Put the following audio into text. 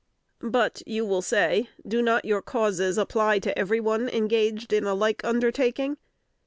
"But," you will say, "do not your causes apply to every one engaged in a like undertaking?"